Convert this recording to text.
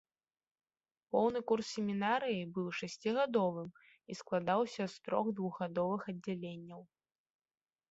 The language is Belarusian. Поўны курс семінарыі быў шасцігадовым і складаўся з трох двухгадовых аддзяленняў.